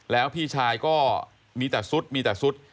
แล้วพี่ชายก็มีแต่ซุดมีแต่ซุด